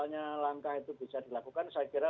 ya kalau misalnya